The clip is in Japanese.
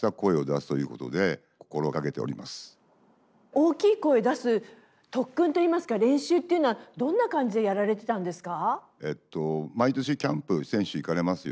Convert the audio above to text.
大きい声出す特訓といいますか練習っていうのはどんな感じでやられてたんですか？